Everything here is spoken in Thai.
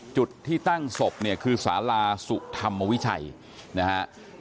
จุดที่ตั้งศพเนี่ยคือสาราสุธรรมวิชัยนะฮะ